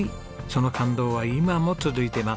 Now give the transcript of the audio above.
その感動は今も続いてます。